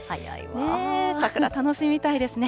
桜、楽しみたいですね。